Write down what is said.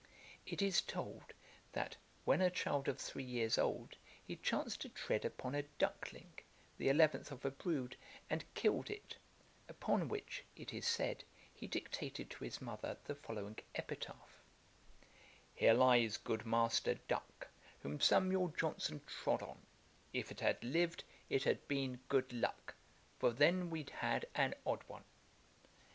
It is told, that, when a child of three years old, he chanced to tread upon a duckling, the eleventh of a brood, and killed it; upon which, it is said, he dictated to his mother the following epitaph: 'Here lies good master duck, Whom Samuel Johnson trod on; If it had liv'd, it had been good luck, For then we'd had an odd one.'